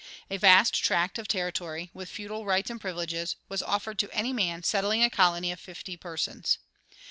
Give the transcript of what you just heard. A vast tract of territory, with feudal rights and privileges, was offered to any man settling a colony of fifty persons.